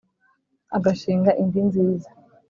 agashinga indi nziza